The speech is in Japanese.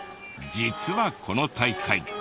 実はこの大会。